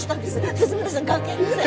鈴村さん関係ありません。